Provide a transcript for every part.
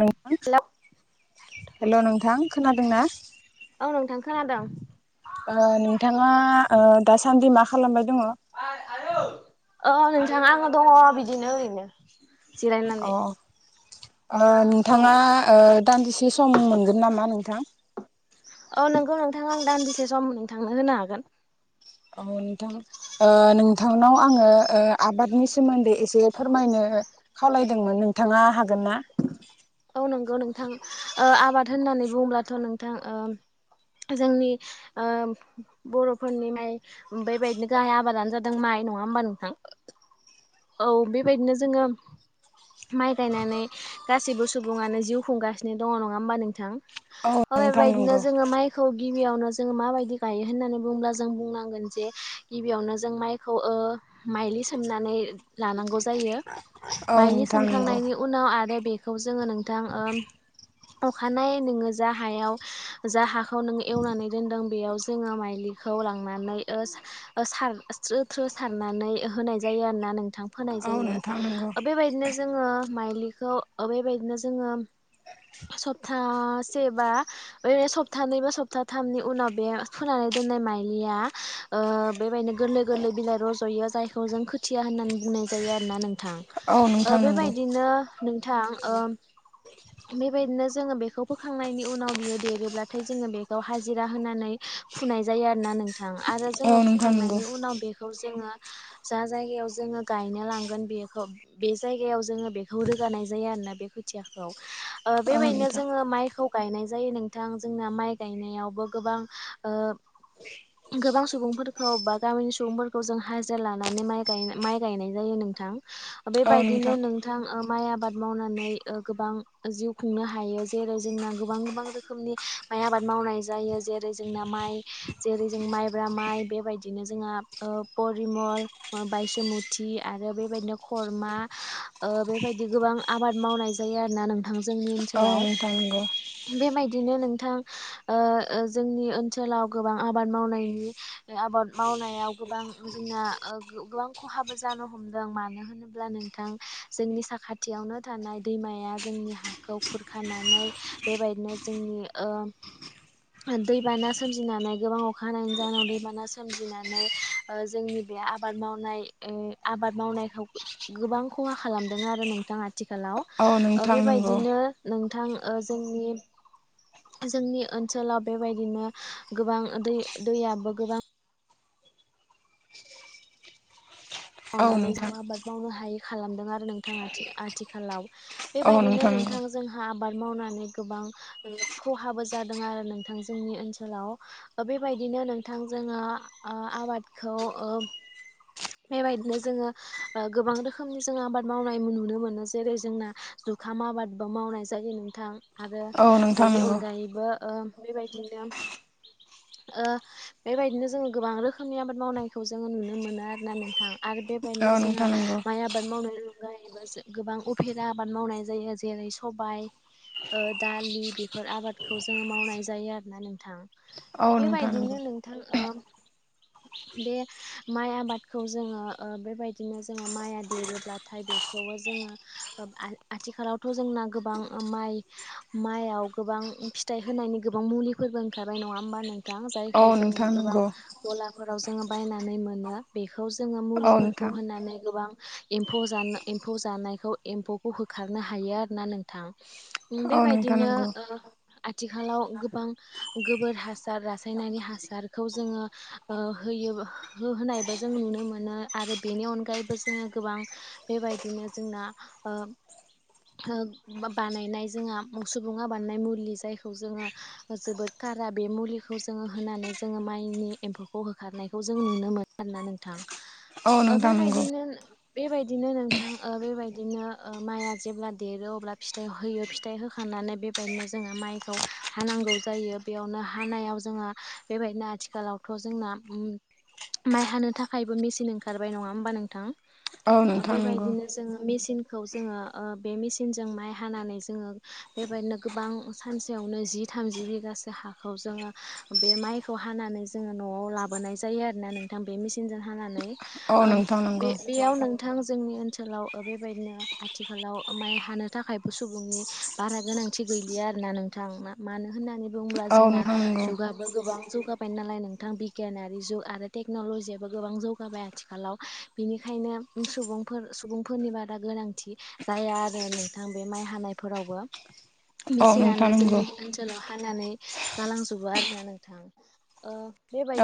नोंथां hello hello नोंथां खोनादों ना? औ नोंथां खोनादों। ओ नोंथाङा ओ दासान्दि मा खालामबाय दङ? औ नोंथां आङो दङ बिदिनो ओरैनो। अ जिरायनानै अ ओ औ नोंथाङा ओ दान्दिसे सम मोनगोन नामा नोंथां? औ नोंगौ नोंथां आं दानदिसे सम नोंथांनो होनो हागोन। औ नोंथां ओ नोंथांनाव आङो ओ आबादनि सोमोन्दै एसे फोरमायनो नो खावलायदोंमोन नोंथाङा हागोन ना? औ नंगौ नोंथां ओ आबाद होननानै बुंङोलाथ' नोंथां ओ जोंनि ओ बर'फोरनि माइ बेबायदिनो गाहाय आबादानो जादों माइ। नङा होमबा नोंथां? औ बेबायदिनो जोङो माइ गायनानै गासैबो सुबुङानो जिउ खुंगासिनो दङ नङा होमबा नोंथां। औ ओ नोंथां बेबायदिनो नंगौ जोङो माइखौ गि गिबियावनो जोंङो माबायदि गायो होननानै बुंङोब्ला जों बुंनांगोन जे गिबियावनो जों माइखौ ओ माइलि सोमनानै लानांगौ जायो औ माइलि नोंथां नंगौ सोमखांनायनि उनाव आरो बेखौ नोंथां ओ अखानायै नोङो जा हायाव जा हाखौ खौ नों एवनानै दोनदों बेयावसो जोङो माइलिखौ लांनानै ओ स्रो थ्रो सारनानै होनाय जायो आरोना नोंथां। होनाय औ नोंथां नंगौ जायो बेबायदिनो जोङो माइलिखौ बेबायदिनो जोङो सप्तासे बा ओरै सप्ताानैै बा सप्ता थामनि उनाव बे फुनानै दोननाय माइलिया ओ बेबायदिनो गोरलै गोरलै बिलाइ रज'यो जायखौ जों खोथिया होननानै बुंनाय जायो आरोना नों औ नोंथां नंगौ बेबायदिनो नोंथांओ। [inaudible] बेबायदिनो जोङो बेखौ फोखांनायनि उनाव बियो देरोब्लाथाय जोङो बेखौ हाजिरा होनानै फुनाय जायो आरो ना नोंथां आरो औ जोङो नोंथां नंगौ फुखांनायनि उनाव बेखौ जोङो जा जायगायाव जोङो गायनो लांगोन बेखौ बे जायगायाव जोङो बेखौ रोगानाय जायो आरोना बेखौ खोथियाखौ ओ औ बेबायदिनो नोंथां जोङो माइखौ गायनाय जायो नोंथां जोंना माइ गायनायावबो गोबां ओ गोबां सुबुंफोरखौ बा गामिनि सुबुंफोरखौ जों हाजिरा लानानै माइ गाय माइ गायनाय जायो नोंथां। बेबायदिनो नोंथां माइ आबाद मावनानै ओ गोबां जिउ खुंनो हायो जेरै जोंना गोबां गोबां रोखोमनि माइ आबाद मावनाय जायो। जेरै जोंना माइ जेरै जों माइब्रा माइ बेबायदिनो जोंहा परिमल बायसुमुथि आरो बेबायदिनो खरमा ओ बेबायदि गोबां आबाद मावनाय ज जायो आरो ना नोंथां जोंनि औ ओनसोलाव नोंथां नंगौ बेबायदि बिदिनो नोंथां ओ ओ जोंनि ओनसोलाव गोबां आबाद मावनायनि आबाद माव- मावनायाव गोबां जोंना ओ गोबां खहाबो जानो हमदों। मानो होनोब्ला नोंथां जोंनि साखाथियावनो थानाय दैमाया जोंनि हाखौ खुरखानानै बेबायदिनो जोंनि ओ दैबाना सोमजिनानै गोबां अखा हानायनि जाहोनाव दैबाना सोमजिनानै ओ जोंनि बे आबाद मावनाय ओ आबाद मावनायखौ गोबां खहा खालामदों आरो नोंथां आथिखालाव। औ ओ नोंथां नंगौ बेबायदिनो नोंथां ओ जोंनि जोंनि ओनसोलाव बेबायदिनो गोबां दै-दैयाबो गोबां औ मावनानै ज' नोंथां आबाद मावनो हायै खालामदों आरो नोंथां आथि आथिखालाव। औ बेबायदिनो नंगौ नोंथां जोंहा आबाद मावनानै गोबां खहाबो जादों आरो नोंथां जोंनि ओनसोलाव। ओ बेबायदि- दिनो नोंथां जोङो ओ आबादखौ ओ बेबायदिनो जोङो ओ गोबां रोखोमनि जोङो आबाद मावनाय नुनो मोनो। जेरै जोंना जु- खाम आबादबो मावनाय जायो नोंथां। आरो औ नोंथां बेनि नंगौ अनगायैबो ओ बेबायदिनो ओ बेबायदिनो जोङो गोबां रोखोमनि आबाद मावनायखौ जोङो नुनो मोनो आरो। ना नोंथां आरो औ बेबायदिनो जोंहा नोंथां नंगौ माइ आबाद मावनो गोबां उफेरा आबाद मावनाय जायो। जेरै सबाय ओ दालि बेफोर आबादखौ जोङो मावनाय जायो आरो ना नोंथां। औ नोंथां नंगौ बेबायदिनो नोंथां ओ बे माइ आबाद खौ जोङो ओ बेबायदिनो जोङो माइआ देरोब्लाथाय बेखौबो जोङो ओ आ-आथि- आथिखालावथ' जोंना गोबां माइ माइयाव गोबां फिथाइ होनायनि गोबां मुलिफोरबो ओंखारबाय नङा होमबा नोंथां औ जायखौ जोङो नोंथां गोबां नंगौ गलाफोराव जोङो बायनानै मोनो। बेखौ जोङो औ मुलिफोरखौ नोंथां होनानै गोबां एम्फौ जा एम्फौ जानायखौ एम्फौखौ होखारनो हायो आरोना नोंथां। उम औ नोंथां बेबायदिनो नंगौ ओ आथिखालाव गोबां गोबोर हासार रासायनारि हासारखौ जोङो ओ होयो। हो होनाय जों नुनो मोनो आरो बेनि अनगायैबो जोङो गोबां बेबायदिनो जोंना ओ बानायनाय जोंहा सुबुङा बानायनाय मुलि जायखौ जोङो जोबोद कारा बे मुलिखौ जोङो होनानै जोङो माइनि एम्फौखौ होखारनायखौ जों नुनो मोनो। आरोना नोंथां। बेबायदिनो बेबायदिनो नोंथां ओ बेबायदिनो ओ माइआ जेब्ला देरो अब्ला फिथाइ होयो फिथाइ होखां- नानै बेबायदिनो जोङो माइखौ हानांगौ जायो बेयावनो हानायाव जोङो बेबायदिनो आ- आथिखालावथ' जोंना माइ हानो थाखायबो मेसिन ओंखारबाय नङा होमबा नोंथां? औ नोंथां नंगौ औ नोंथां नंगौ बेबायदिनो जोङो मेचिन- खौ जोङो ओ बे मेसिनजों माइ हानानै जोङो बेबायदिनो गोबां सानसेयावनो जि- थामजि बिगासो हाखौ जोङो बे माइखौ हानानै जोङो न'आव लाबोनाय जायो आरो नोंथां बे मेचिनजों हानानै औ ओ नोंथां बे नंगौ बेयाव नों नोंथां जोंनि ओनसोलाव बेबायदिनो आथिखालाव माइ हानो थाखायबो सुबुंनि बारा गोनां- गोनांथि गैलिया आरोना नोंथां। मानो होननानै बुं- बुंब्ला जोंना जुगाबो गोबां जौगाबाय नालाय नोंथां बिगियानारि जुग आरो टेक्न'ल'जियाबो गोबां जौगाबाय आथिखालाव बिनिखायनो सुबुंफोर सुबुंफोरनि बारा गो- नांथि जाया आरो नोंथां बे माइ हानायफोरावबो। औ नोंथां मेसिनानो नंगौ जोंनि ओनसोलाव हानानै गालांजोबो आरोना नोंथां। ओ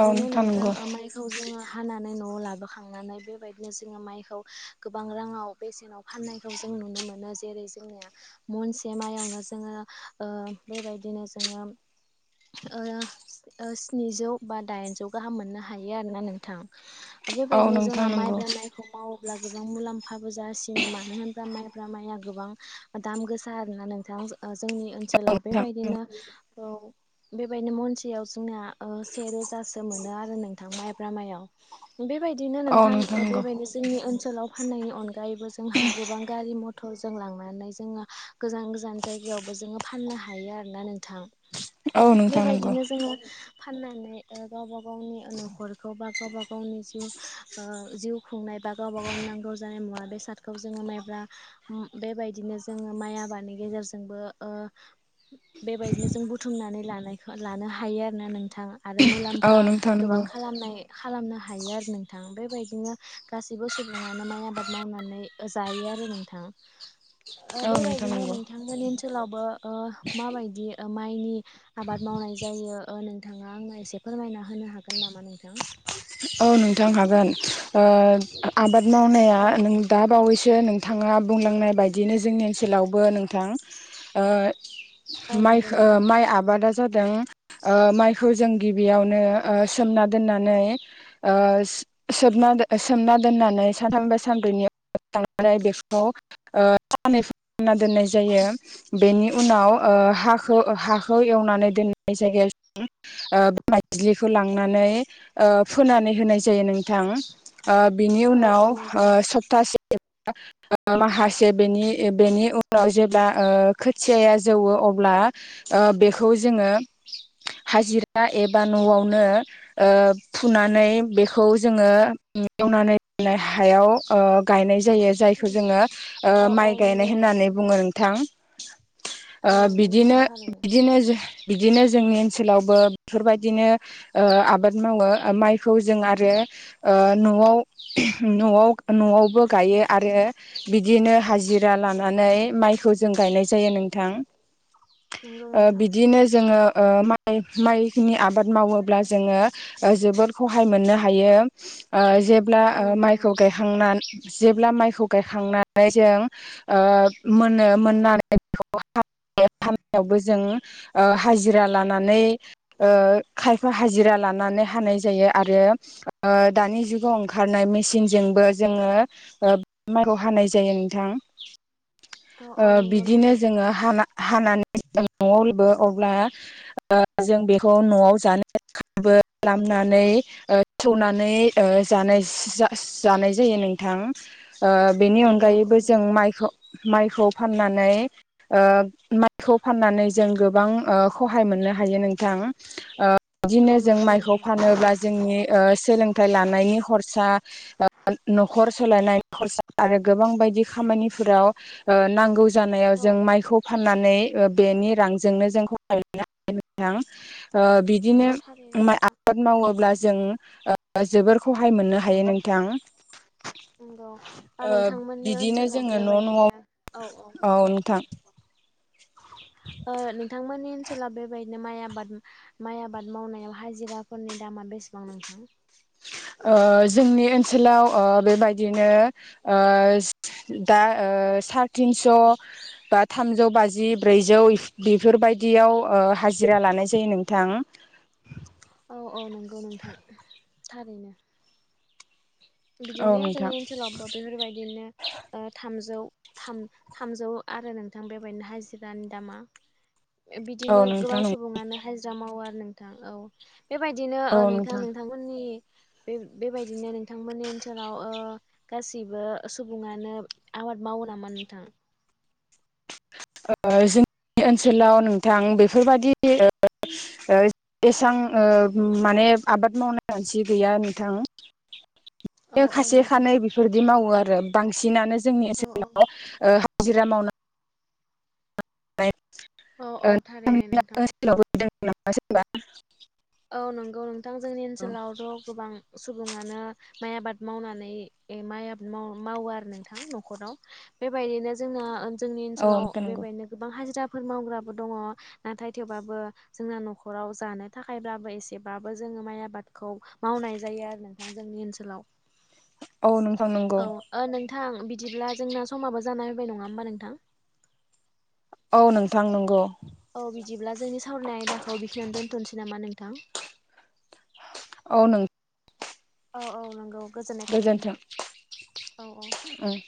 औ नोंथां नंगौ जोङो हानानै न'आव लाबोखांनानै बेबायदिनो जोङो माइखौ गोबां राङाव बेसेनाव फाननायखौ जों नुनो मोनो। जेरै जोंनिया महनसे मायावनो जोङो ओ बेबायदि [unintelligible] ओ स्निजौ बा दाइनजौ गाहाम मोननो हा- हायो आरोना नोंथां। औ बेबायदिनो नोंथां जोंहा नंगौ माइब्रा माइखौ माव- अब्ला गोबां मुलाम्फाबो जासिनो मानो होना माइब्रा माइआ गोबां दाम गोसा आरोना नोंथां। ओ [unintelligible] जोंनि ओनसोलाव बेबायदिनो औ बेबायदिनो महनसेयाव जोंना ओ, से रोजासो मोनो आरो नों थां माइब्रा मायाव। बेबायदिनो औ नोंथां नंगौ बेबायदिनो जोंनि ओनसोलाव फाननायनि अनगा जायबो जोंहा गोबां गारि मथ ट'जों लांनानै जोङो गोजान गोजान जायगायावबो जोङो फाननो हायो आरोना नोंथां। नोंथां औ नोंथां नंगौ बेबायदिनो जोङो फाननानै ओ, गावबा गावनि न' खरखौ बा गावबा गावनि जिउ, ओ जिउ खुंनाय बा गावबा गावनि नांगौ जानाय मुवा बेसादखौ जोङो माइब्रा म बेबायदिनो जोङो माइ आबादनि गेजेरजोंबो ओ बेबायदिनो जों बुथुमनानै लानायखौ लानो हायो आरोना नोंथां। आरो औ नोंथां नंगौ औ मुलाम्फा नोंथां गोबां नंगौ खालामनाय खालामनो हा हायो आरो नोंथां। बेबायदिनो गासैबो सुबुङानो माइ आबाद मावनानै ओ जायो आरो नोंथां। [inaudible] ओ नोंथां बेबायदिनो नंगौ नोंथांमोननि ओनसोलाव बो ओ माबायदि ओ माइनि आबाद मावनाय जायो ओ नोंथाङा आंनो एसे फोरमायना होनो हागोन नामा नोंथां? औ नोंथां हागोन। ओ, आबाद मावनाया औ औ नों दा बावैसो नों थाङा बुंलांनाय बायदियनो जोंनि ओनसोलावबो नोंथां, ओ औ माख नंगौ ओ नोंथां माइ आबादा जादों। ओ माइखौ जों गिबियावनो ओ, सोमना दोननानै ओस सोबना सोमना दोननानै साथाम एबा सानब्रैनि [unintelligible] बेखौ ओ साननै फोरनना दोननाय जायो। बेनि उनाव ओ ओ हाखो हाखौ एवनानै दोननाय जायगायाव जों ओ मायज्लिखौ लांनानै, नै ओ फोनानै होनाय जायो नोंथां। ओ बिनि औ उनाव औ नंगौ ओ सबथास [unintelligible] माखासे बिनि ओ बिनि उन नाव जेब्ला ओ खोथियाया जौवो अब्ला ओ बेखौ जोङो हाजिरा एबा न'आवनो ओ फुनानै बेखौ जोङो एवनानै हायाव ओ गायनाय जायो। जायखौ जोङो ओ औ औ माइ नंगौ गायनाय नोंथां होननानै बुङो नोंथां। ओ औ नंगौ बिदिनो नोंथां थारैनो बिदिनो जो बिदिनो जोंनि ओनसोलावबो बेफोरबायदिनो ओ आबाद मावो। आ माइखौ जों आरो ओ न'आव न'आव न'आवबो गायो। आरो ओ बिदिनो हाजिरा लानानै, माइखौ जों गायनाय जायो नोंथां। नंगौ ओ नोंथां बिदिनो जोङो ओ माइ माइनि आबाद मावोब्ला जोङो। ओ जोबोद गहाय मोननो हायो। ओ जेब्ला औ ओ नंगौ माइखौ नोंथां गायखांना जेब्ला माइखौ गायखांनानै जों ओ मोनो मोननानै बेखौ हा यो हानायावबो जों ओ हाजिरा लानानै ओ खायफा हाजिरा लानानै हानाय जायो। आरो ओ दानि जुगाव ओंखारनाय मेसिनजोंबो जोङो ओ माइखौ हानाय जायो नोंथां। औ ओ औ नंगौ बिदिनो नोंथां जोङो हा हानानै [unintelligible] अब्ला ओ जों बेखौ न'आव जानो [unintelligible] बो खालामनानै ओ सौनानै ओ जानाय जा-जानाय जायो नोंथां। ओ बेनि नंगौ नंगौ अनगायैबो जों नंगौ माइखौ माइखौ फाननानै ओ माइखौ फाननानै जों गोबां ओ खहाय मोनो नोहायो नोंथां ओ बिदिनो औ जों नंगौ माय खौ नोंथां फानोब्ला जोंनि ओ सोलोंथाइ लानायनि हरसा, ओ न'खर सोलायनाय खरसा आरो गोबां बायदि खामानिफोराव ओ, नांगौ जानायाव औ जों माइखौ फाननानै ओ बेनि रांजोंनो खहाय मोननो हायो नोथां। ओ बिदिनो, नंगौ थारैनो माय [inaudible] नोंथां 'मावोब्ला जों ओ जोबोर सहाय मोननो हायो नोंथां'। ओ नोंथांमोननि बिदिनो ओनसोलाव जोङो न' न'आव बेबायदिनो औ औ नंगौ। [inaudible] ओ, नोंथांमोननि ओनसोलाव बेबायदिनो माइ आबाद, माइ आबाद मावनायाव हाजिरा फोरनि दामा बेसेबां नोंथां? -ओ जोंनि ओनसोलाव, ओ बेबायदिनो, ओ- दा, ओ सार थिनस' बा, थामजौ बाजि, ब्रैजौ बेफोरबायदि। बायदि हाजिरा लानाय जायो नोंथां। औ औ नंगौ नोंथां, थारैनो। औ 'बिदिनो नोंथां जोंनि ओनसोलावबो बेफोरबायदिनो, ओ थामजौ' थाम थामजौ आरो नोंथां बेबायदिनो हाजिरानि दामा। औ बिदिनो गोबां नोंथां सुबुङानो हाजिरा मावो आरो नोंथां, औ। -बेबायदिनो ओ नोंथां नोंथांमोननि बे बेबायदिनो नोंथांमोननि ओनसोलाव, ओ गासैबो सुबुङानो आबाद मावो नामा नोंथां? [inaudible] जों -ओनसोलाव नोंथां बेफोरबायदि [inaudible] एसबां ओ माने- [inaudible] आबाद मावनाय मानसि गैया नोंथां' औ बिनो औ खासे नंगौ खानै बेफोरदि मावो आरो बांसिनानो जोंनि औ औ ओनसोलाव हाजिरा मावनो [unintelligible] औ औ थारैनो नोंथां। ओनसोलावबो [unintelligible] औ नंगौ नोंथां जोंनि ओनसोलावथ' गोबां सुबुङानो म आब माव म आब माव नोंथां न'बायनो जों जोंनि औ नोंथां ओनोलाव नंगौ बेनो गोबां हाजिरा फोर मावग्राबो दङ नाथाय थेवबाबो जोंना न'खराव जानो थाखाय थाखायब्लाबो एसेबाबो जोङो माइ आबादखौ मावनाय जायो आरो नोंथां जोंनि ओनसोलाव औ नोंथां नंगौ औ नोंथां बिदिब्ला जोंना समाबो जाना होबाय नङा होमबा नोंथां? औ नोंथां नंगौ। औ बिदिब्ला जोंनि सावरायनाय आयदाखौ बेखिनियावनो दोनथ'नोसै नामा नोंथां? औ नों औ औ नंगौ गोजोननाय थाबाय गोजोन्थों नोंथां औ औ। उम